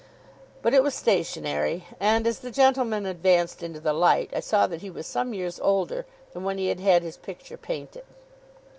But it was stationary; and as the gentleman advanced into the light, I saw that he was some years older than when he had had his picture painted.